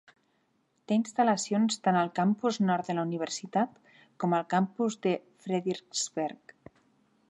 Té instal·lacions tant al campus nord de la universitat com al campus de Frederiksberg.